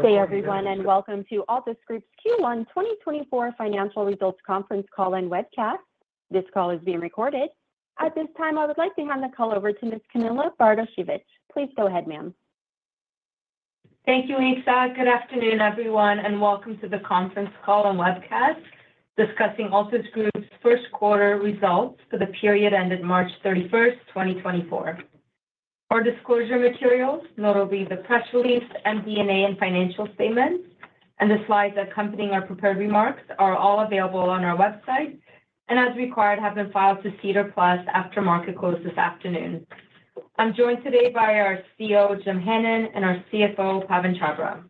Hey everyone, and welcome to Altus Group's Q1 2024 Financial Results Conference Call and Webcast. This call is being recorded. At this time, I would like to hand the call over to Ms. Camilla Bartosiewicz. Please go ahead, ma'am. Thank you, Lisa. Good afternoon, everyone, and welcome to the conference call and webcast discussing Altus Group's first quarter results for the period ended March 31st, 2024. For disclosure materials, notably the press release, MD&A and financial statements, and the slides accompanying our prepared remarks are all available on our website and, as required, have been filed to SEDAR+ after market close this afternoon. I'm joined today by our CEO, Jim Hannon, and our CFO, Pawan Chhabra.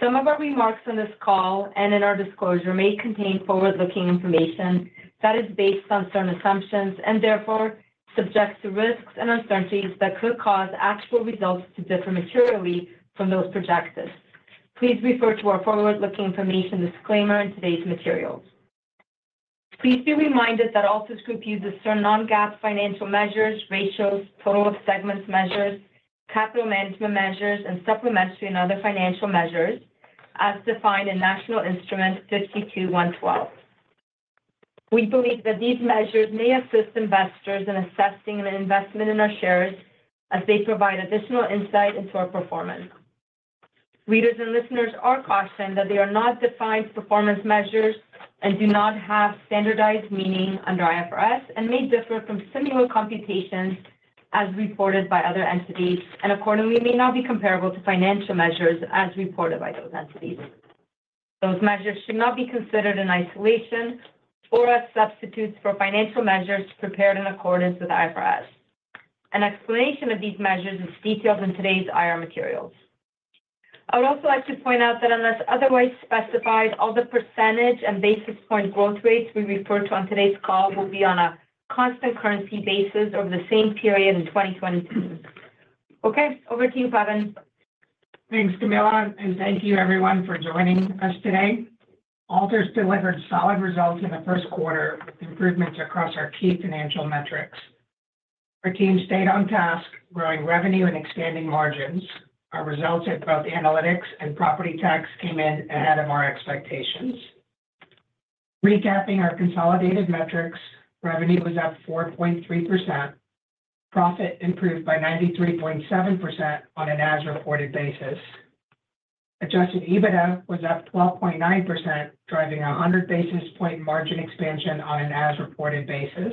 Some of our remarks on this call and in our disclosure may contain forward-looking information that is based on certain assumptions and, therefore, subject to risks and uncertainties that could cause actual results to differ materially from those projected. Please refer to our forward-looking information disclaimer in today's materials. Please be reminded that Altus Group uses certain non-GAAP financial measures, ratios, total of segments measures, capital management measures, and supplementary and other financial measures as defined in National Instrument 52-112. We believe that these measures may assist investors in assessing an investment in our shares as they provide additional insight into our performance. Readers and listeners are cautioned that they are not defined performance measures and do not have standardized meaning under IFRS and may differ from similar computations as reported by other entities and, accordingly, may not be comparable to financial measures as reported by those entities. Those measures should not be considered in isolation or as substitutes for financial measures prepared in accordance with IFRS. An explanation of these measures is detailed in today's IR materials. I would also like to point out that unless otherwise specified, all the percentage and basis point growth rates we refer to on today's call will be on a constant currency basis over the same period in 2022. Okay, over to you, Pawan. Thanks, Camilla, and thank you, everyone, for joining us today. Altus delivered solid results in the first quarter with improvements across our key financial metrics. Our team stayed on task, growing revenue and expanding margins. Our results at both analytics and property tax came in ahead of our expectations. Recapping our consolidated metrics, revenue was up 4.3%, profit improved by 93.7% on an as-reported basis, Adjusted EBITDA was up 12.9%, driving a 100 basis point margin expansion on an as-reported basis,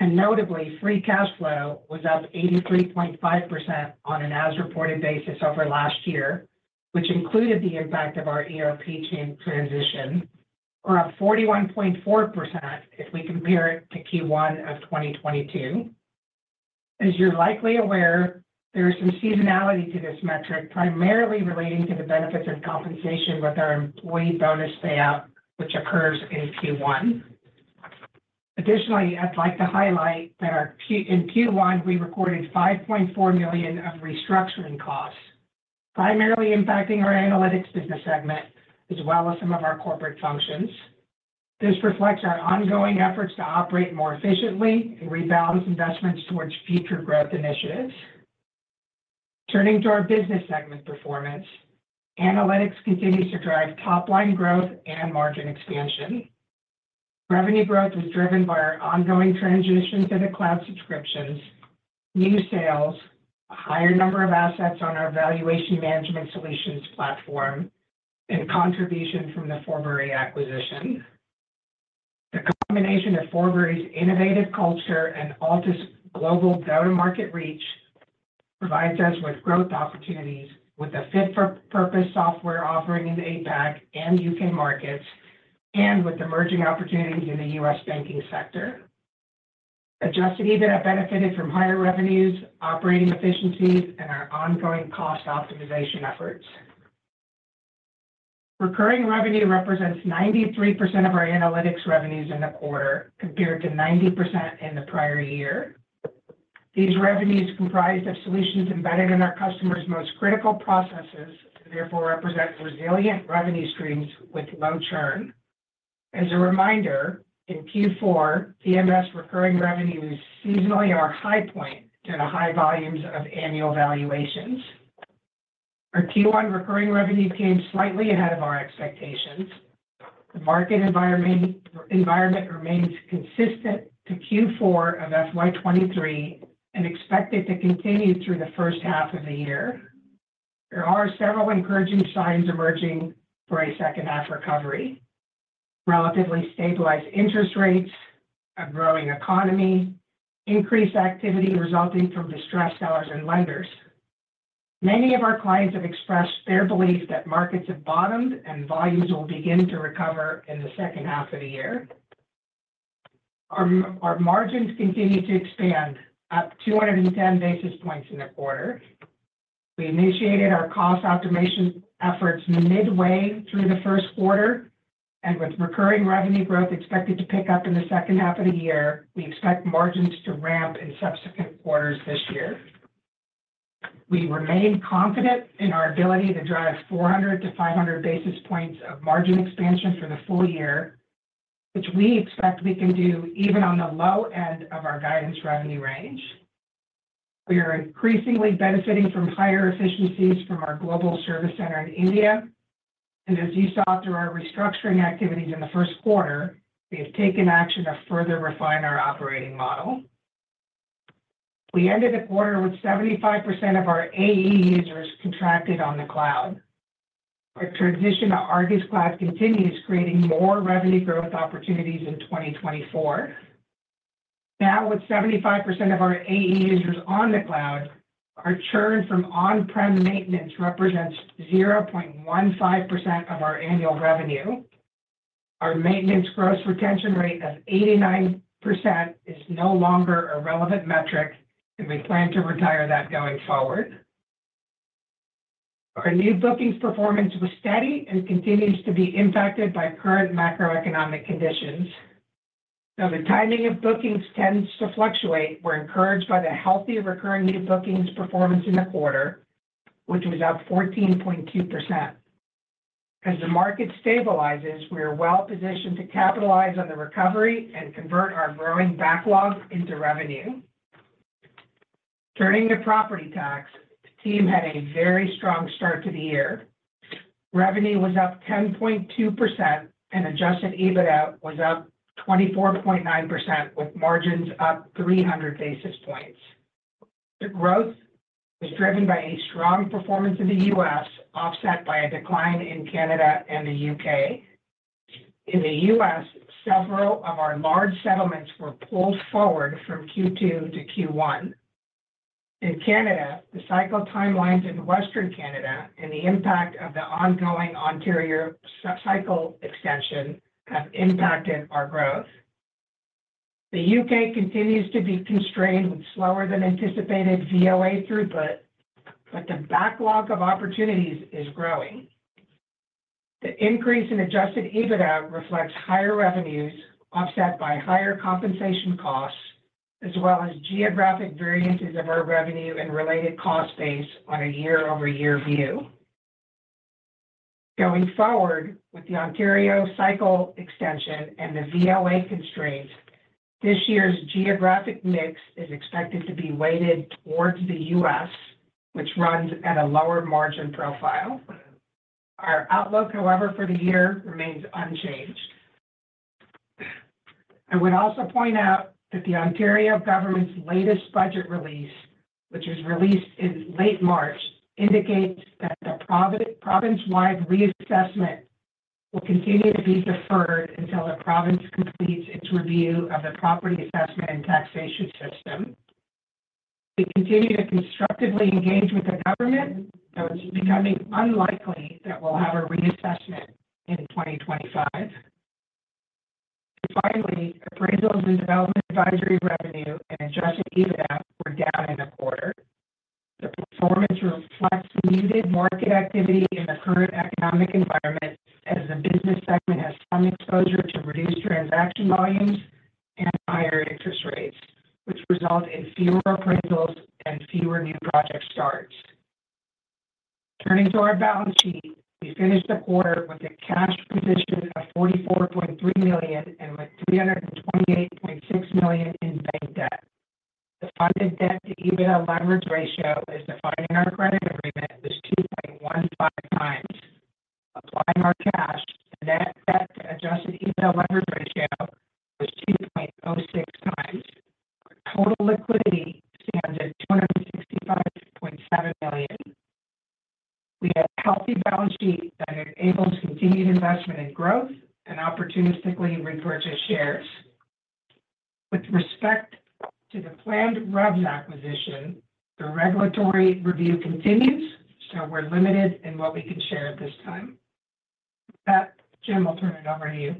and notably, free cash flow was up 83.5% on an as-reported basis over last year, which included the impact of our ERP change transition, or up 41.4% if we compare it to Q1 of 2022. As you're likely aware, there is some seasonality to this metric, primarily relating to the benefits of compensation with our employee bonus payout, which occurs in Q1. Additionally, I'd like to highlight that in Q1, we recorded 5.4 million of restructuring costs, primarily impacting our analytics business segment as well as some of our corporate functions. This reflects our ongoing efforts to operate more efficiently and rebalance investments towards future growth initiatives. Turning to our business segment performance, analytics continues to drive top-line growth and margin expansion. Revenue growth was driven by our ongoing transition to the cloud subscriptions, new sales, a higher number of assets on our valuation management solutions platform, and contribution from the Forbury acquisition. The combination of Forbury's innovative culture and Altus' global go-to-market reach provides us with growth opportunities with a fit-for-purpose software offering in the APAC and UK markets and with emerging opportunities in the US banking sector. Adjusted EBITDA benefited from higher revenues, operating efficiencies, and our ongoing cost optimization efforts. Recurring revenue represents 93% of our analytics revenues in the quarter compared to 90% in the prior year. These revenues comprise of solutions embedded in our customers' most critical processes and, therefore, represent resilient revenue streams with low churn. As a reminder, in Q4, VMS recurring revenues seasonally are high point to the high volumes of annual valuations. Our Q1 recurring revenue came slightly ahead of our expectations. The market environment remains consistent to Q4 of FY23 and expected to continue through the first half of the year. There are several encouraging signs emerging for a second half recovery: relatively stabilized interest rates, a growing economy, increased activity resulting from distressed sellers and lenders. Many of our clients have expressed their belief that markets have bottomed and volumes will begin to recover in the second half of the year. Our margins continue to expand, up 210 basis points in the quarter. We initiated our cost optimization efforts midway through the first quarter, and with recurring revenue growth expected to pick up in the second half of the year, we expect margins to ramp in subsequent quarters this year. We remain confident in our ability to drive 400-500 basis points of margin expansion for the full year, which we expect we can do even on the low end of our guidance revenue range. We are increasingly benefiting from higher efficiencies from our global service center in India, and as you saw through our restructuring activities in the first quarter, we have taken action to further refine our operating model. We ended the quarter with 75% of our AE users contracted on the cloud. Our transition to ARGUS Cloud continues creating more revenue growth opportunities in 2024. Now, with 75% of our AE users on the cloud, our churn from on-prem maintenance represents 0.15% of our annual revenue. Our maintenance gross retention rate of 89% is no longer a relevant metric, and we plan to retire that going forward. Our new bookings performance was steady and continues to be impacted by current macroeconomic conditions. Though the timing of bookings tends to fluctuate, we're encouraged by the healthy recurring new bookings performance in the quarter, which was up 14.2%. As the market stabilizes, we are well positioned to capitalize on the recovery and convert our growing backlog into revenue. Turning to property tax, the team had a very strong start to the year. Revenue was up 10.2%, and Adjusted EBITDA was up 24.9%, with margins up 300 basis points. The growth was driven by a strong performance in the U.S., offset by a decline in Canada and the U.K. In the U.S., several of our large settlements were pulled forward from Q2 to Q1. In Canada, the cycle timelines in Western Canada and the impact of the ongoing Ontario subcycle extension have impacted our growth. The U.K. continues to be constrained with slower-than-anticipated VOA throughput, but the backlog of opportunities is growing. The increase in Adjusted EBITDA reflects higher revenues offset by higher compensation costs, as well as geographic variances of our revenue and related cost base on a YoY view. Going forward, with the Ontario cycle extension and the VOA constraints, this year's geographic mix is expected to be weighted towards the U.S., which runs at a lower margin profile. Our outlook, however, for the year remains unchanged. I would also point out that the Ontario government's latest budget release, which was released in late March, indicates that the province-wide reassessment will continue to be deferred until the province completes its review of the property assessment and taxation system. We continue to constructively engage with the government, though it's becoming unlikely that we'll have a reassessment in 2025. Finally, Appraisals and Development Advisory revenue and Adjusted EBITDA were down in the quarter. The performance reflects muted market activity in the current economic environment as the business segment has some exposure to reduced transaction volumes and higher interest rates, which result in fewer appraisals and fewer new project starts. Turning to our balance sheet, we finished the quarter with a cash position of 44.3 million and with 328.6 million in bank debt. The funded debt-to-EBITDA leverage ratio, as defined in our credit agreement, was 2.15 times. Applying our cash to net debt-to-adjusted EBITDA leverage ratio was 2.06 times. Our total liquidity stands at CAD 265.7 million. We have a healthy balance sheet that enables continued investment in growth and opportunistically repurchase shares. With respect to the planned REVS acquisition, the regulatory review continues, so we're limited in what we can share at this time. With that, Jim, I'll turn it over to you.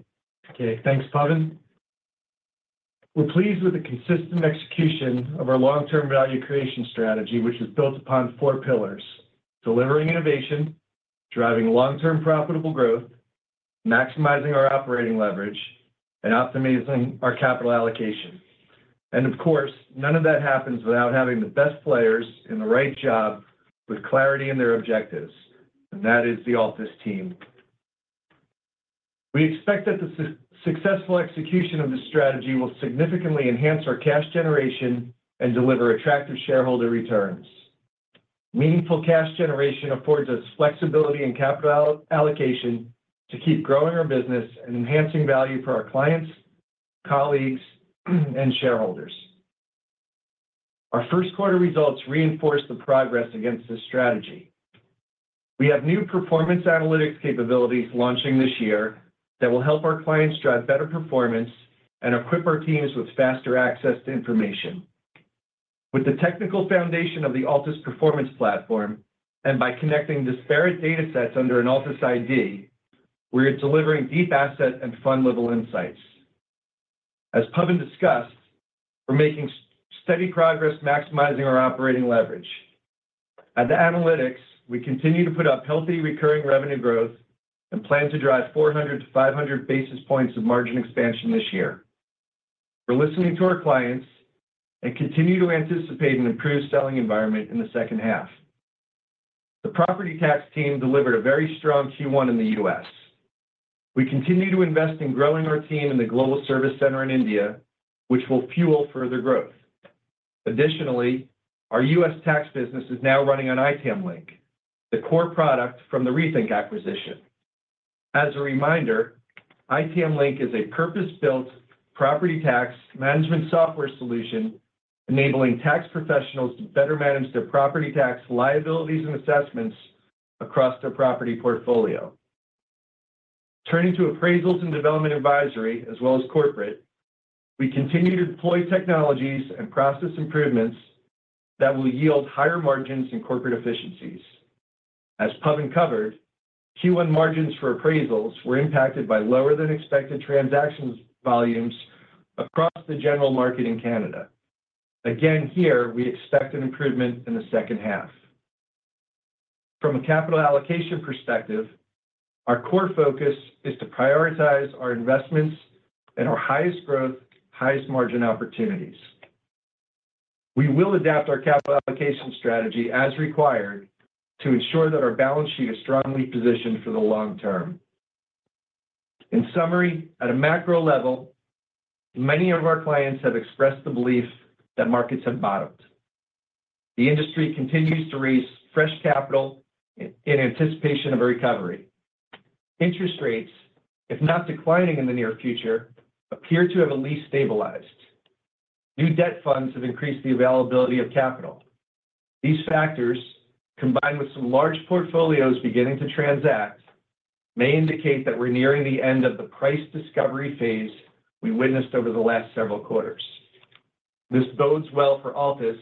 Okay. Thanks, Pawan. We're pleased with the consistent execution of our long-term value creation strategy, which is built upon four pillars: delivering innovation, driving long-term profitable growth, maximizing our operating leverage, and optimizing our capital allocation. Of course, none of that happens without having the best players in the right job with clarity in their objectives, and that is the Altus team. We expect that the successful execution of this strategy will significantly enhance our cash generation and deliver attractive shareholder returns. Meaningful cash generation affords us flexibility in capital allocation to keep growing our business and enhancing value for our clients, colleagues, and shareholders. Our first quarter results reinforce the progress against this strategy. We have new performance analytics capabilities launching this year that will help our clients drive better performance and equip our teams with faster access to information. With the technical foundation of the Altus Performance Platform and by connecting disparate datasets under an Altus ID, we are delivering deep asset and fund-level insights. As Pawan discussed, we're making steady progress maximizing our operating leverage. At the analytics, we continue to put up healthy recurring revenue growth and plan to drive 400-500 basis points of margin expansion this year. We're listening to our clients and continue to anticipate an improved selling environment in the second half. The property tax team delivered a very strong Q1 in the U.S. We continue to invest in growing our team in the global service center in India, which will fuel further growth. Additionally, our U.S. tax business is now running on itamlink, the core product from the Rethink acquisition. As a reminder, itamlink is a purpose-built property tax management software solution enabling tax professionals to better manage their property tax liabilities and assessments across their property portfolio. Turning to appraisals and development advisory, as well as corporate, we continue to deploy technologies and process improvements that will yield higher margins and corporate efficiencies. As Pawan covered, Q1 margins for appraisals were impacted by lower-than-expected transactions volumes across the general market in Canada. Again, here, we expect an improvement in the second half. From a capital allocation perspective, our core focus is to prioritize our investments and our highest growth, highest margin opportunities. We will adapt our capital allocation strategy as required to ensure that our balance sheet is strongly positioned for the long term. In summary, at a macro level, many of our clients have expressed the belief that markets have bottomed. The industry continues to raise fresh capital in anticipation of a recovery. Interest rates, if not declining in the near future, appear to have at least stabilized. New debt funds have increased the availability of capital. These factors, combined with some large portfolios beginning to transact, may indicate that we're nearing the end of the price discovery phase we witnessed over the last several quarters. This bodes well for Altus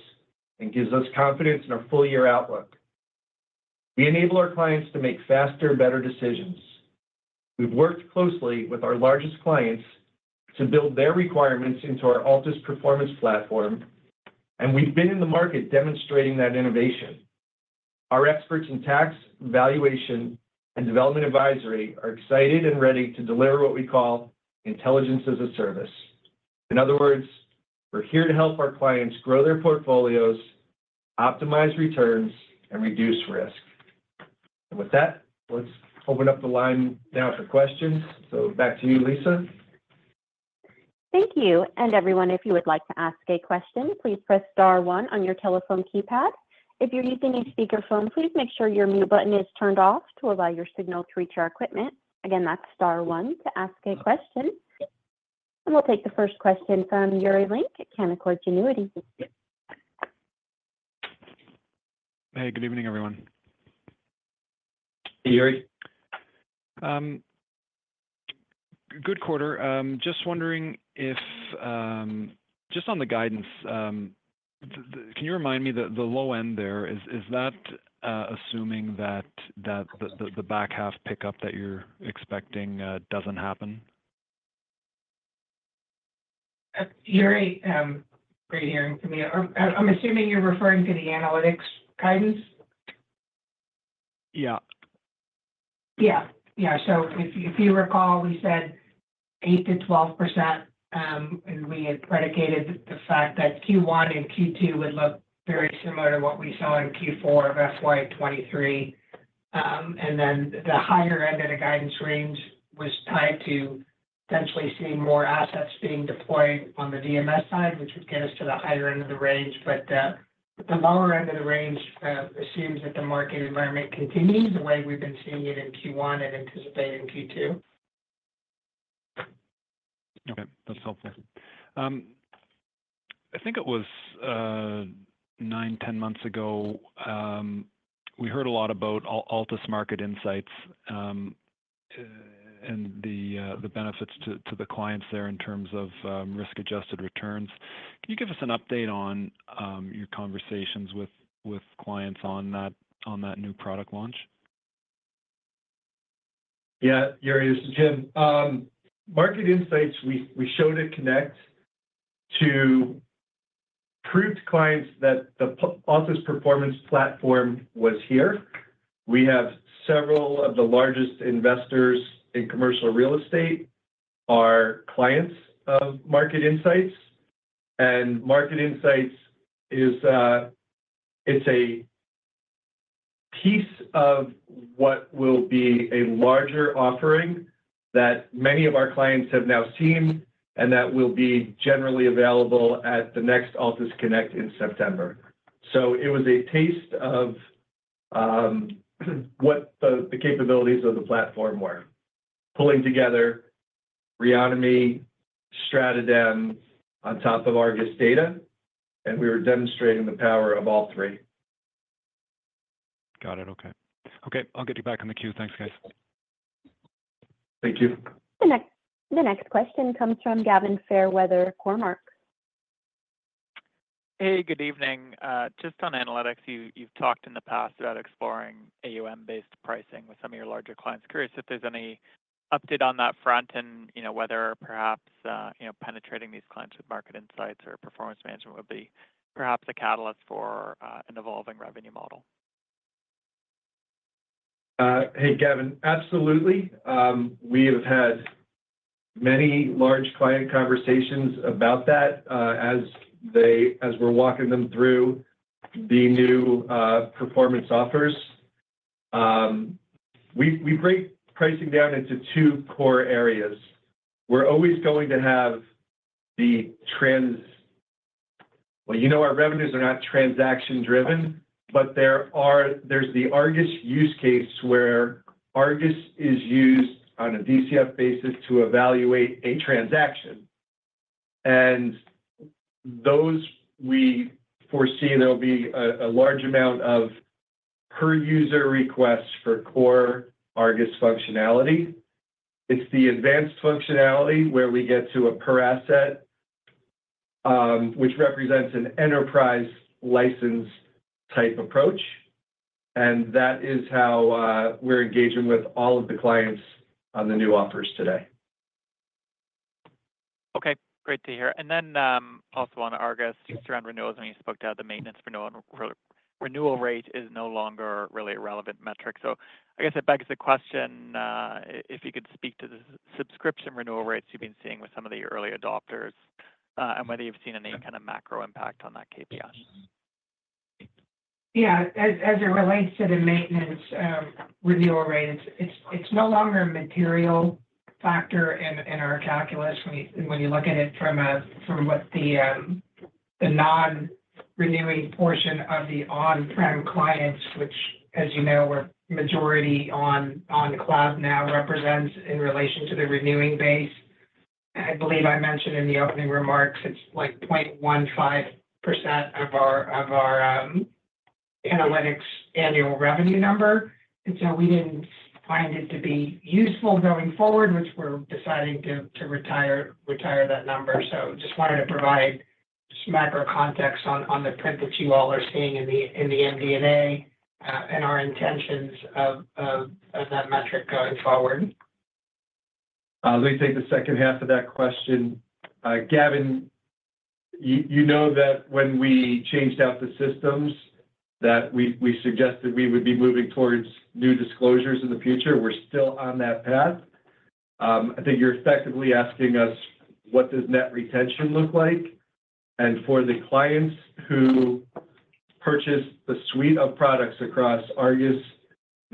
and gives us confidence in our full-year outlook. We enable our clients to make faster, better decisions. We've worked closely with our largest clients to build their requirements into our Altus performance platform, and we've been in the market demonstrating that innovation. Our experts in tax, valuation, and development advisory are excited and ready to deliver what we call intelligence as a service. In other words, we're here to help our clients grow their portfolios, optimize returns, and reduce risk. With that, let's open up the line now for questions. Back to you, Lisa. Thank you. And everyone, if you would like to ask a question, please press star one on your telephone keypad. If you're using a speakerphone, please make sure your mute button is turned off to allow your signal to reach our equipment. Again, that's star one to ask a question. And we'll take the first question from Yuri Lynk at Canaccord Genuity. Hey. Good evening, everyone. Hey, Yuri. Good quarter. Just wondering if just on the guidance, can you remind me the low end there, is that assuming that the back half pickup that you're expecting doesn't happen? Yuri, great hearing from you. I'm assuming you're referring to the analytics guidance? Yeah. Yeah. Yeah. So if you recall, we said 8%-12%, and we had predicated the fact that Q1 and Q2 would look very similar to what we saw in Q4 of FY 2023. And then the higher end of the guidance range was tied to potentially seeing more assets being deployed on the VMS side, which would get us to the higher end of the range. But the lower end of the range assumes that the market environment continues the way we've been seeing it in Q1 and anticipating Q2. Okay. That's helpful. I think it was 9-10 months ago, we heard a lot about Altus Market Insights and the benefits to the clients there in terms of risk-adjusted returns. Can you give us an update on your conversations with clients on that new product launch? Yeah, Yuri. This is Jim. Market Insights, we showed at Connect to prove to clients that the Altus Performance Platform was here. We have several of the largest investors in commercial real estate are clients of Market Insights. And Market Insights, it's a piece of what will be a larger offering that many of our clients have now seen and that will be generally available at the next Altus Connect in September. So it was a taste of what the capabilities of the platform were, pulling together Reonomy, StratoDem on top of ARGUS data. And we were demonstrating the power of all three. Got it. Okay. Okay. I'll get you back on the queue. Thanks, guys. Thank you. The next question comes from Gavin Fairweather, Cormark. Hey. Good evening. Just on analytics, you've talked in the past about exploring AUM-based pricing with some of your larger clients. Curious if there's any update on that front and whether perhaps penetrating these clients with Market Insights or performance management would be perhaps a catalyst for an evolving revenue model. Hey, Gavin. Absolutely. We have had many large client conversations about that as we're walking them through the new performance offers. We break pricing down into two core areas. We're always going to have well, our revenues are not transaction-driven, but there's the ARGUS use case where ARGUS is used on a DCF basis to evaluate a transaction. And those we foresee there'll be a large amount of per-user requests for core ARGUS functionality. It's the advanced functionality where we get to a per-asset, which represents an enterprise license type approach. And that is how we're engaging with all of the clients on the new offers today. Okay. Great to hear. And then also on ARGUS, just around renewals, when you spoke about the maintenance renewal rate is no longer really a relevant metric. So I guess it begs the question if you could speak to the subscription renewal rates you've been seeing with some of the early adopters and whether you've seen any kind of macro impact on that KPI. Yeah. As it relates to the maintenance renewal rate, it's no longer a material factor in our calculus when you look at it from what the non-renewing portion of the on-prem clients, which, as you know, where majority on-cloud now represents in relation to the renewing base. I believe I mentioned in the opening remarks it's 0.15% of our analytics annual revenue number. And so we didn't find it to be useful going forward, which we're deciding to retire that number. So just wanted to provide just macro context on the print that you all are seeing in the MD&A and our intentions of that metric going forward. Let me take the second half of that question. Gavin, you know that when we changed out the systems, that we suggested we would be moving towards new disclosures in the future. We're still on that path. I think you're effectively asking us what does net retention look like? And for the clients who purchased the suite of products across ARGUS,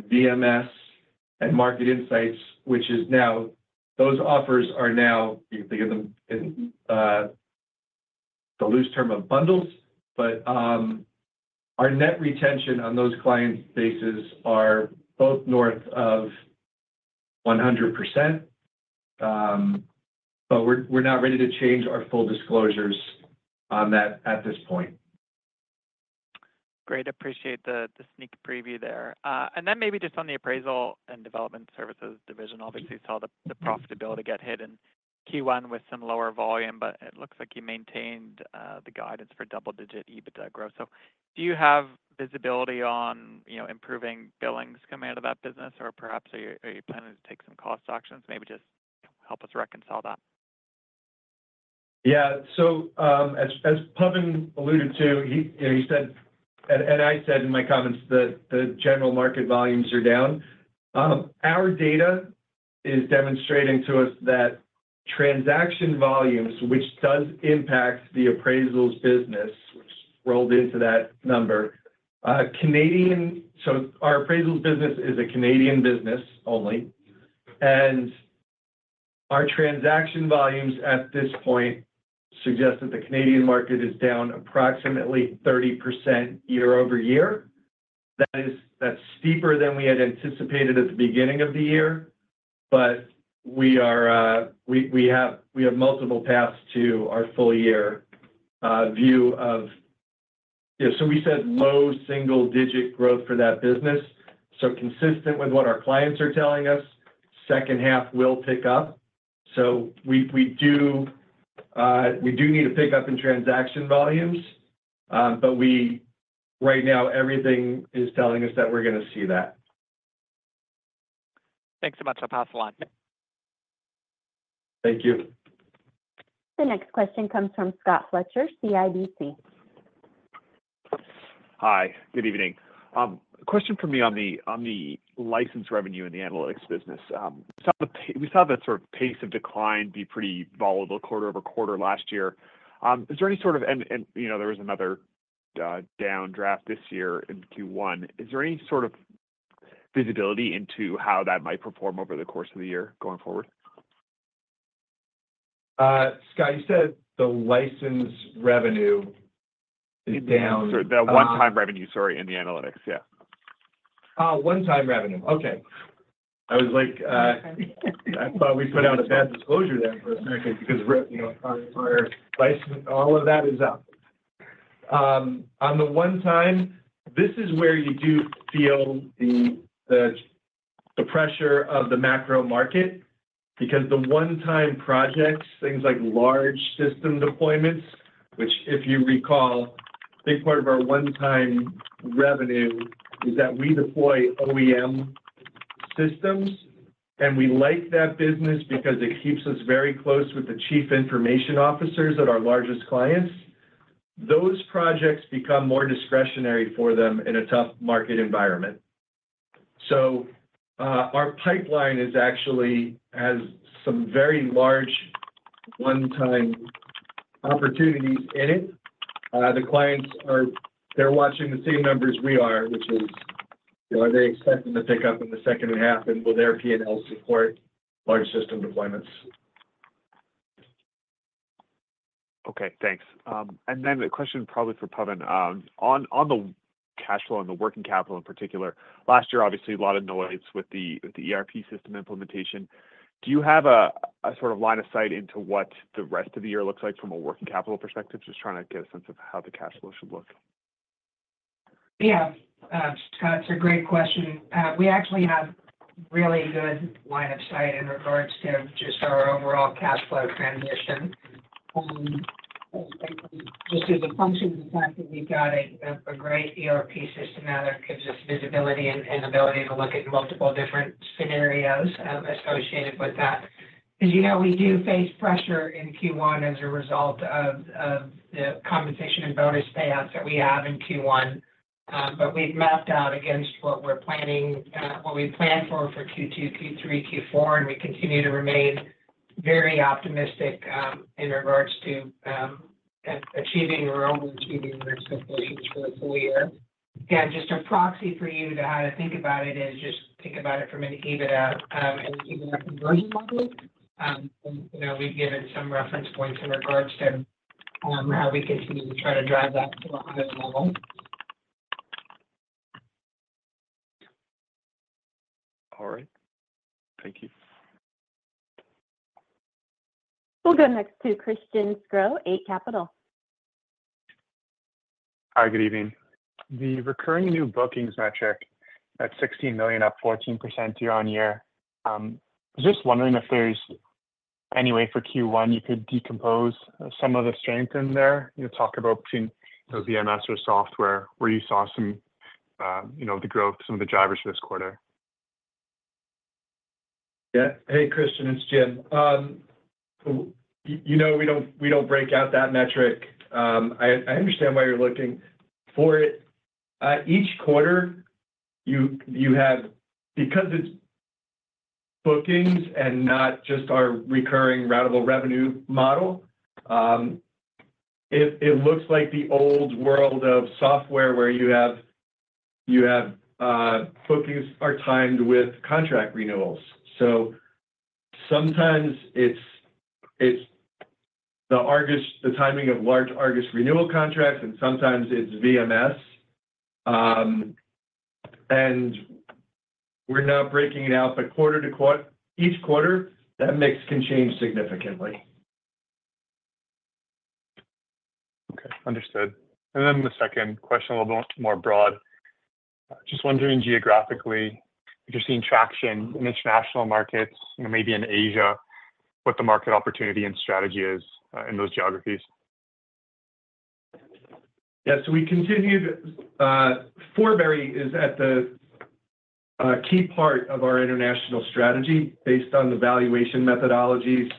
DMS, and Market Insights, which is now those offers are now you can think of them in the loose term of bundles. But our net retention on those clients' bases are both north of 100%. But we're not ready to change our full disclosures on that at this point. Great. Appreciate the sneak preview there. And then maybe just on the appraisal and development services division, obviously, saw the profitability get hit in Q1 with some lower volume, but it looks like you maintained the guidance for double-digit EBITDA growth. So do you have visibility on improving billings coming out of that business, or perhaps are you planning to take some cost actions, maybe just help us reconcile that? Yeah. So as Pawan alluded to, he said and I said in my comments that the general market volumes are down. Our data is demonstrating to us that transaction volumes, which does impact the appraisals business, which rolled into that number. Canadian, so our appraisals business is a Canadian business only. And our transaction volumes at this point suggest that the Canadian market is down approximately 30% YoY. That's steeper than we had anticipated at the beginning of the year. But we have multiple paths to our full-year view. So we said low single-digit growth for that business. So consistent with what our clients are telling us, second half will pick up. So we do need a pickup in transaction volumes. But right now, everything is telling us that we're going to see that. Thanks so much. I'll pass along. Thank you. The next question comes from Scott Fletcher, CIBC. Hi. Good evening. Question from me on the license revenue in the analytics business. We saw the sort of pace of decline be pretty volatile quarter-over-quarter last year. Is there any sort of, and there was another downdraft this year in Q1. Is there any sort of visibility into how that might perform over the course of the year going forward? Scott, you said the license revenue is down. The one-time revenue, sorry, in the analytics. Yeah. One-time revenue. Okay. I thought we put out a bad disclosure there for a second because our licenses, all of that is up. On the one-time, this is where you do feel the pressure of the macro market because the one-time projects, things like large system deployments, which if you recall, a big part of our one-time revenue is that we deploy OEM systems. And we like that business because it keeps us very close with the chief information officers at our largest clients. Those projects become more discretionary for them in a tough market environment. So our pipeline actually has some very large one-time opportunities in it. The clients, they're watching the same numbers we are, which is, are they expecting the pickup in the second half, and will their P&L support large system deployments? Okay. Thanks. And then a question probably for Pawan. On the cash flow and the working capital in particular, last year, obviously, a lot of noise with the ERP system implementation. Do you have a sort of line of sight into what the rest of the year looks like from a working capital perspective? Just trying to get a sense of how the cash flow should look. Yeah. Scott, it's a great question. We actually have a really good line of sight in regards to just our overall cash flow transition. Just as a function of the fact that we've got a great ERP system now that gives us visibility and ability to look at multiple different scenarios associated with that. As you know, we do face pressure in Q1 as a result of the compensation and bonus payouts that we have in Q1. But we've mapped out against what we're planning what we planned for Q2, Q3, Q4, and we continue to remain very optimistic in regards to achieving or overachieving our expectations for the full year. Again, just a proxy for you to how to think about it is just think about it from an EBITDA and EBITDA conversion model. We've given some reference points in regards to how we continue to try to drive that to a higher level. All right. Thank you. We'll go next to Christian Sgro, 8 Capital. Hi. Good evening. The recurring new bookings metric at 16 million up 14% year-on-year. I was just wondering if there's any way for Q1 you could decompose some of the strength in there, talk about between the DMS or software where you saw some of the growth, some of the drivers for this quarter. Yeah. Hey, Christian. It's Jim. We don't break out that metric. I understand why you're looking for it. Each quarter, because it's bookings and not just our recurring ratable revenue model, it looks like the old world of software where you have bookings are timed with contract renewals. So sometimes it's the timing of large ARGUS renewal contracts, and sometimes it's VMS. And we're not breaking it out, but quarter to quarter, each quarter, that mix can change significantly. Okay. Understood. And then the second question, a little bit more broad. Just wondering geographically, if you're seeing traction in international markets, maybe in Asia, what the market opportunity and strategy is in those geographies. Yeah. So we continue to Forbury is at the key part of our international strategy based on the valuation methodologies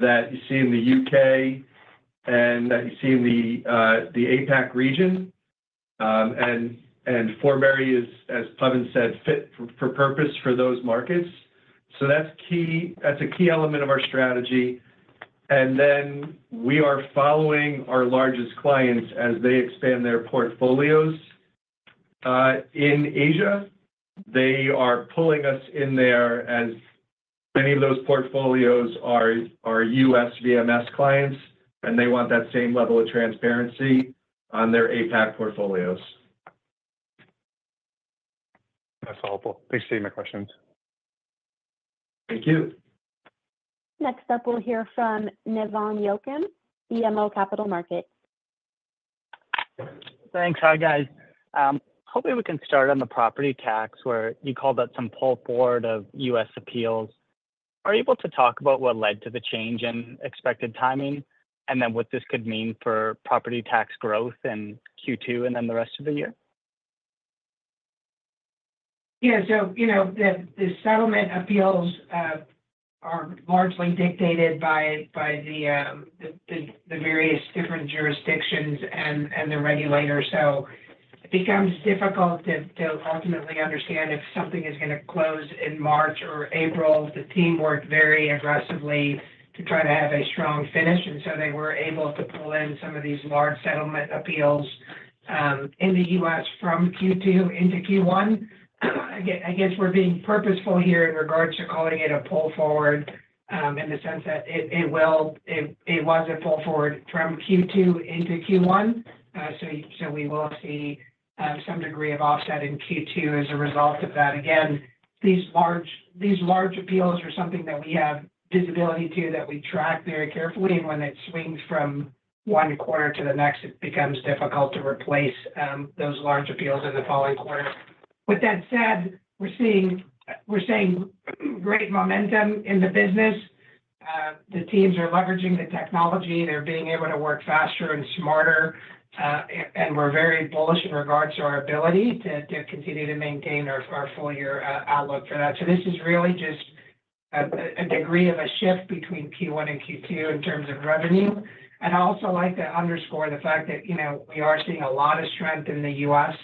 that you see in the U.K. and that you see in the APAC region. And Forbury is, as Pawan said, fit for purpose for those markets. So that's a key element of our strategy. And then we are following our largest clients as they expand their portfolios. In Asia, they are pulling us in there as many of those portfolios are U.S. VMS clients, and they want that same level of transparency on their APAC portfolios. That's helpful. Thanks for taking my questions. Thank you. Next up, we'll hear from Nevan Yochim, BMO Capital Markets. Thanks. Hi, guys. Hopefully, we can start on the property tax where you called out some pull forward of U.S. appeals. Are you able to talk about what led to the change in expected timing and then what this could mean for property tax growth in Q2 and then the rest of the year? Yeah. So the settlement appeals are largely dictated by the various different jurisdictions and the regulators. So it becomes difficult to ultimately understand if something is going to close in March or April. The team worked very aggressively to try to have a strong finish. And so they were able to pull in some of these large settlement appeals in the U.S. from Q2 into Q1. I guess we're being purposeful here in regards to calling it a pull forward in the sense that it was a pull forward from Q2 into Q1. So we will see some degree of offset in Q2 as a result of that. Again, these large appeals are something that we have visibility to that we track very carefully. And when it swings from one quarter to the next, it becomes difficult to replace those large appeals in the following quarter. With that said, we're seeing great momentum in the business. The teams are leveraging the technology. They're being able to work faster and smarter. And we're very bullish in regards to our ability to continue to maintain our full-year outlook for that. So this is really just a degree of a shift between Q1 and Q2 in terms of revenue. And I also like to underscore the fact that we are seeing a lot of strength in the U.S.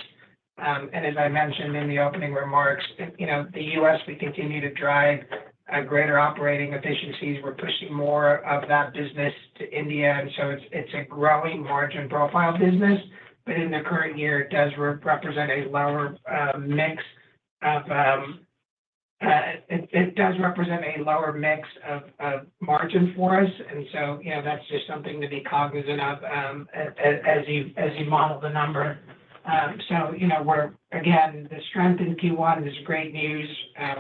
And as I mentioned in the opening remarks, the U.S., we continue to drive greater operating efficiencies. We're pushing more of that business to India. And so it's a growing margin profile business. But in the current year, it does represent a lower mix of margin for us. And so that's just something to be cognizant of as you model the number. So again, the strength in Q1 is great news.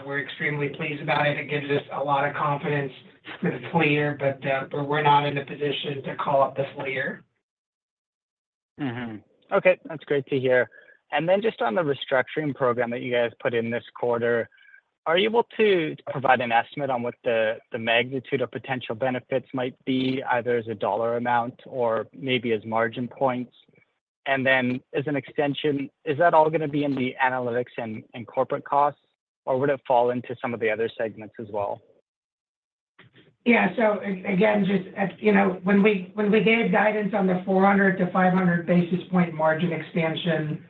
We're extremely pleased about it. It gives us a lot of confidence for the full year, but we're not in a position to call up the full year. Okay. That's great to hear. And then just on the restructuring program that you guys put in this quarter, are you able to provide an estimate on what the magnitude of potential benefits might be, either as a dollar amount or maybe as margin points? And then as an extension, is that all going to be in the analytics and corporate costs, or would it fall into some of the other segments as well? Yeah. So again, just when we gave guidance on the 400-500 basis point margin expansion,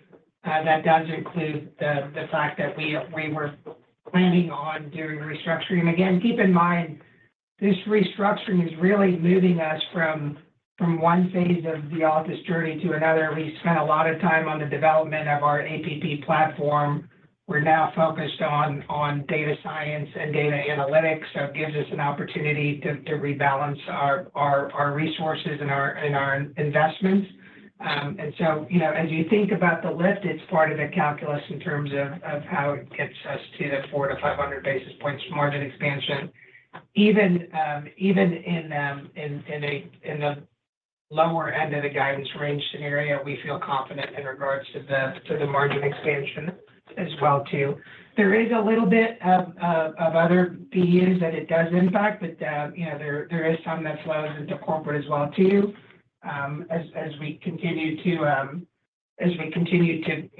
that does include the fact that we were planning on doing restructuring. And again, keep in mind, this restructuring is really moving us from one phase of the Altus journey to another. We spent a lot of time on the development of our APP platform. We're now focused on data science and data analytics. So it gives us an opportunity to rebalance our resources and our investments. And so as you think about the lift, it's part of the calculus in terms of how it gets us to the 400-500 basis points margin expansion. Even in the lower end of the guidance range scenario, we feel confident in regards to the margin expansion as well too. There is a little bit of other PAs that it does impact, but there is some that flows into corporate as well too as we continue to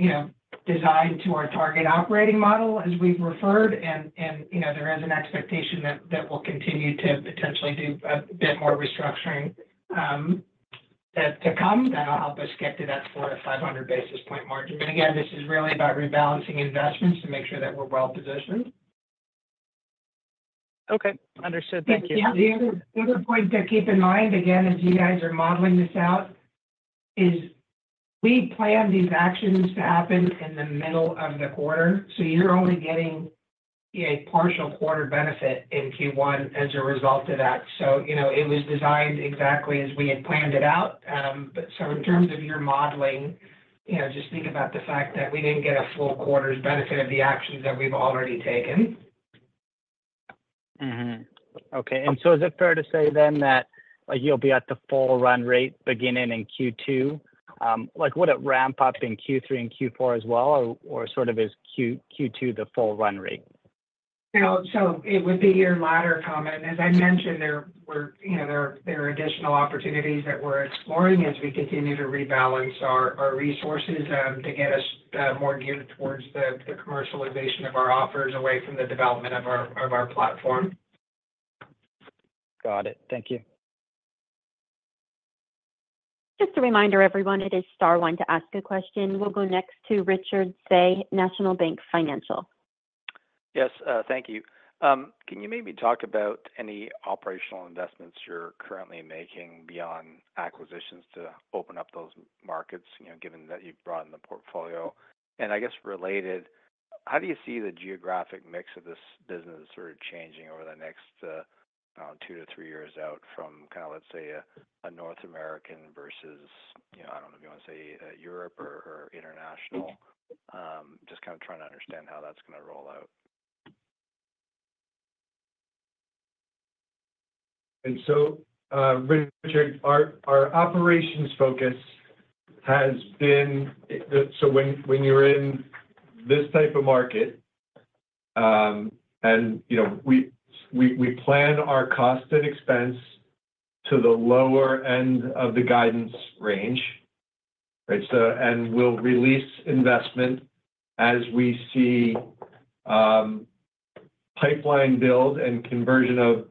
design to our target operating model as we've referred. There is an expectation that we'll continue to potentially do a bit more restructuring to come that'll help us get to that 400-500 basis point margin. Again, this is really about rebalancing investments to make sure that we're well positioned. Okay. Understood. Thank you. Yeah. The other point to keep in mind, again, as you guys are modeling this out, is we plan these actions to happen in the middle of the quarter. So you're only getting a partial quarter benefit in Q1 as a result of that. So it was designed exactly as we had planned it out. So in terms of your modeling, just think about the fact that we didn't get a full quarter's benefit of the actions that we've already taken. Okay. And so is it fair to say then that you'll be at the full run rate beginning in Q2? Would it ramp up in Q3 and Q4 as well, or sort of is Q2 the full run rate? So it would be your latter comment. As I mentioned, there are additional opportunities that we're exploring as we continue to rebalance our resources to get us more geared towards the commercialization of our offers away from the development of our platform. Got it. Thank you. Just a reminder, everyone, it is star one to ask a question. We'll go next to Richard Tse, National Bank Financial. Yes. Thank you. Can you maybe talk about any operational investments you're currently making beyond acquisitions to open up those markets, given that you've brought in the portfolio? I guess related, how do you see the geographic mix of this business sort of changing over the next two to three years out from kind of, let's say, a North American versus I don't know if you want to say Europe or international? Just kind of trying to understand how that's going to roll out. So, Richard, our operations focus has been so when you're in this type of market, and we plan our cost and expense to the lower end of the guidance range, right? We'll release investment as we see pipeline build and conversion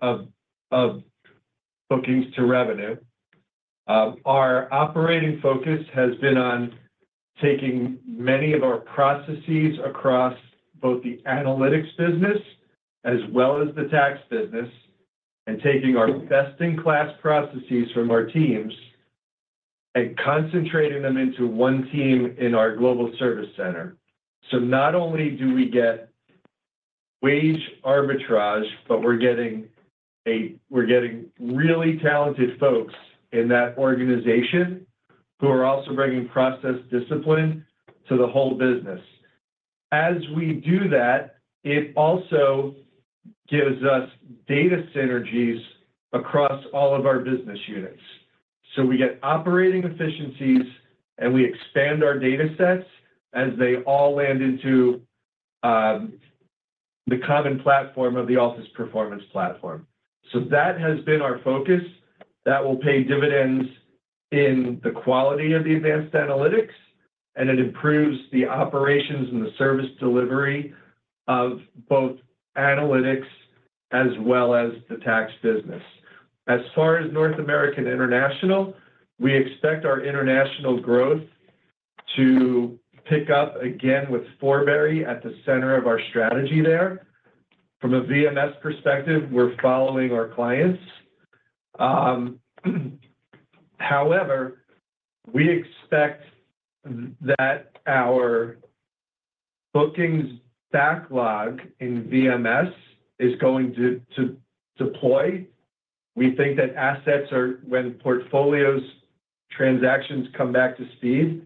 of bookings to revenue. Our operating focus has been on taking many of our processes across both the analytics business as well as the tax business and taking our best-in-class processes from our teams and concentrating them into one team in our global service center. So not only do we get wage arbitrage, but we're getting really talented folks in that organization who are also bringing process discipline to the whole business. As we do that, it also gives us data synergies across all of our business units. So we get operating efficiencies, and we expand our datasets as they all land into the common platform of the Altus Performance Platform. So that has been our focus. That will pay dividends in the quality of the advanced analytics, and it improves the operations and the service delivery of both analytics as well as the tax business. As far as North America, international, we expect our international growth to pick up again with Forbury at the center of our strategy there. From a VMS perspective, we're following our clients. However, we expect that our bookings backlog in VMS is going to deploy. We think that assets are when portfolios, transactions come back to speed,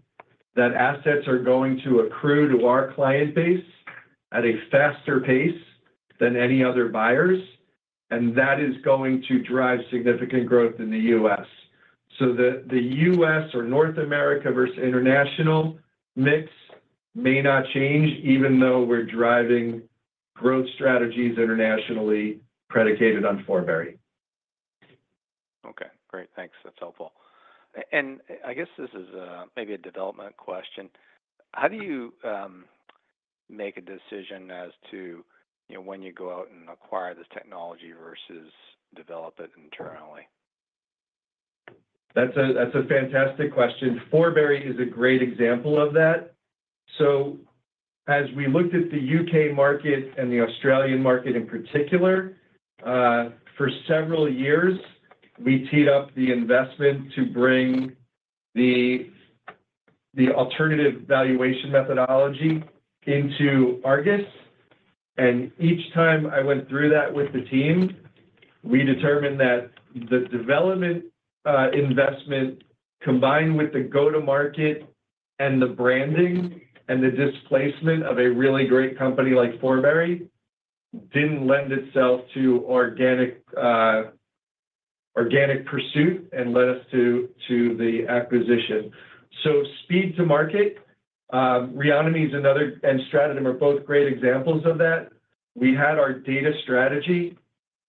that assets are going to accrue to our client base at a faster pace than any other buyers. And that is going to drive significant growth in the U.S. The U.S. or North America versus international mix may not change even though we're driving growth strategies internationally predicated on Forbury. Okay. Great. Thanks. That's helpful. I guess this is maybe a development question. How do you make a decision as to when you go out and acquire this technology versus develop it internally? That's a fantastic question. Forbury is a great example of that. So as we looked at the UK market and the Australian market in particular, for several years, we teed up the investment to bring the alternative valuation methodology into ARGUS. And each time I went through that with the team, we determined that the development investment combined with the go-to-market and the branding and the displacement of a really great company like Forbury didn't lend itself to organic pursuit and led us to the acquisition. So speed to market, Reonomy and StratoDem are both great examples of that. We had our data strategy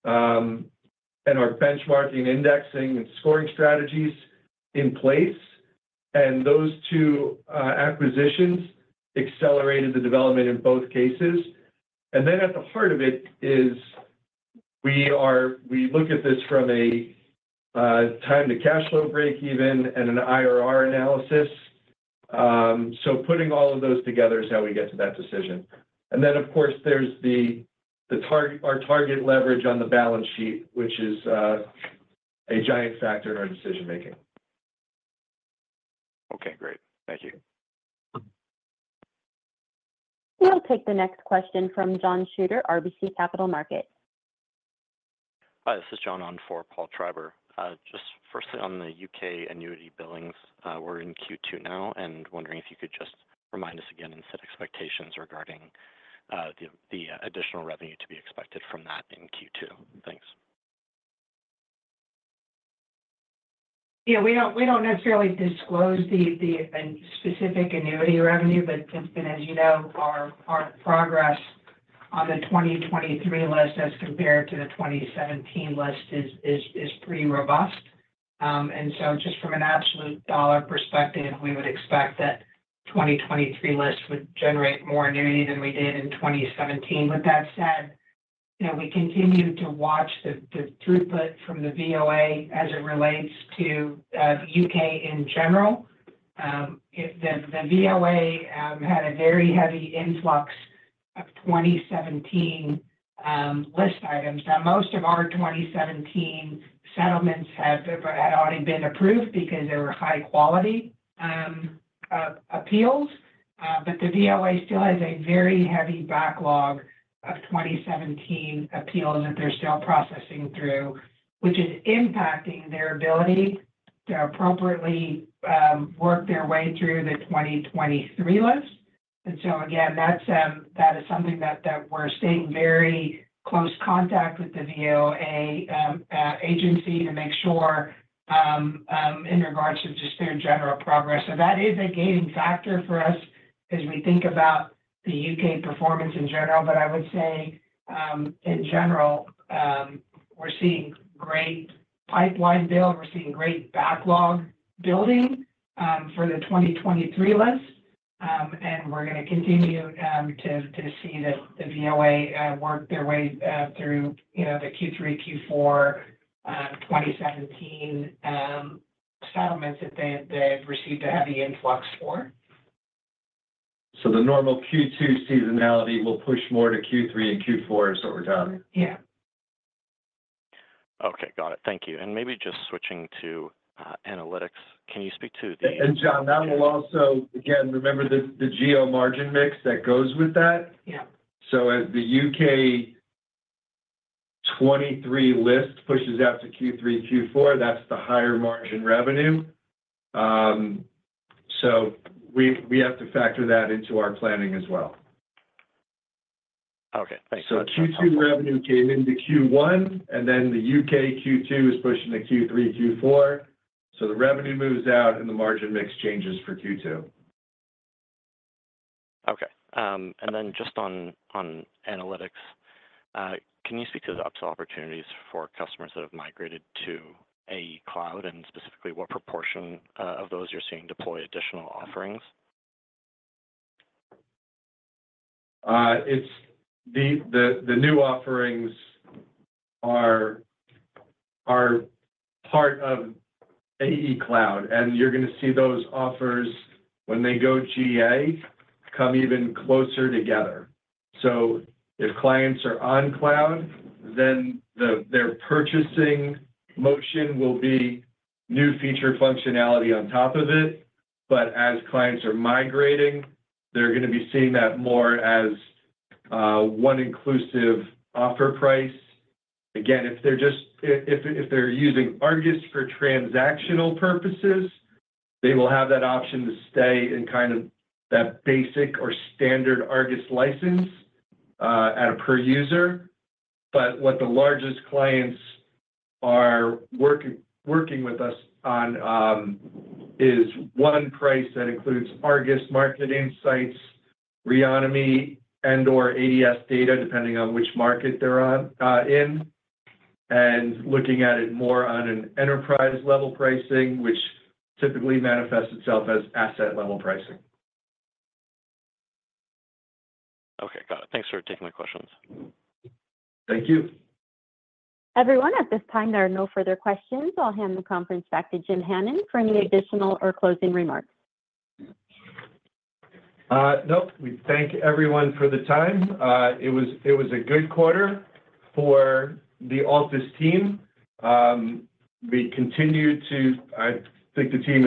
and our benchmarking, indexing, and scoring strategies in place. And those two acquisitions accelerated the development in both cases. And then at the heart of it is we look at this from a time-to-cash flow break-even and an IRR analysis. Putting all of those together is how we get to that decision. Then, of course, there's our target leverage on the balance sheet, which is a giant factor in our decision-making. Okay. Great. Thank you. We'll take the next question from John Shuter, RBC Capital Markets. Hi. This is John on for Paul Treiber. Just firstly, on the U.K. annuity billings, we're in Q2 now and wondering if you could just remind us again and set expectations regarding the additional revenue to be expected from that in Q2. Thanks. Yeah. We don't necessarily disclose the specific annuity revenue, but as you know, our progress on the 2023 list as compared to the 2017 list is pretty robust. And so just from an absolute dollar perspective, we would expect that 2023 list would generate more annuity than we did in 2017. With that said, we continue to watch the throughput from the VOA as it relates to the UK in general. The VOA had a very heavy influx of 2017 list items. Now, most of our 2017 settlements had already been approved because they were high-quality appeals. But the VOA still has a very heavy backlog of 2017 appeals that they're still processing through, which is impacting their ability to appropriately work their way through the 2023 list. So again, that is something that we're staying in very close contact with the VOA agency to make sure in regards to just their general progress. So that is a gaining factor for us as we think about the UK performance in general. But I would say in general, we're seeing great pipeline build. We're seeing great backlog building for the 2023 list. And we're going to continue to see the VOA work their way through the Q3, Q4 2017 settlements that they've received a heavy influx for. The normal Q2 seasonality will push more to Q3 and Q4 is what we're talking about? Yeah. Okay. Got it. Thank you. And maybe just switching to analytics, can you speak to the? John, that will also again, remember the geo margin mix that goes with that? Yeah. So as the UK 2023 list pushes out to Q3, Q4, that's the higher margin revenue. So we have to factor that into our planning as well. Okay. Thanks. That's helpful. So Q2 revenue came into Q1, and then the UK Q2 is pushing to Q3, Q4. So the revenue moves out, and the margin mix changes for Q2. Okay. And then just on analytics, can you speak to the upsell opportunities for customers that have migrated to AE Cloud? And specifically, what proportion of those you're seeing deploy additional offerings? The new offerings are part of AE Cloud. You're going to see those offers when they go GA come even closer together. So if clients are on cloud, then their purchasing motion will be new feature functionality on top of it. But as clients are migrating, they're going to be seeing that more as one-inclusive offer price. Again, if they're just using ARGUS for transactional purposes, they will have that option to stay in kind of that basic or standard ARGUS license at a per user. But what the largest clients are working with us on is one price that includes ARGUS marketing sites, Reonomy, and/or ADS data, depending on which market they're in, and looking at it more on an enterprise-level pricing, which typically manifests itself as asset-level pricing. Okay. Got it. Thanks for taking my questions. Thank you. Everyone, at this time, there are no further questions. I'll hand the conference back to Jim Hannon for any additional or closing remarks. Nope. We thank everyone for the time. It was a good quarter for the Altus team. We continue to, I think, the team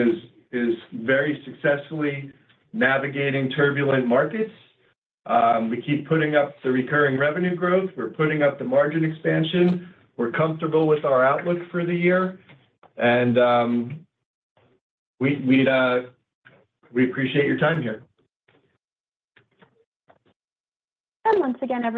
is very successfully navigating turbulent markets. We keep putting up the recurring revenue growth. We're putting up the margin expansion. We're comfortable with our outlook for the year. We appreciate your time here. And once again, I'll.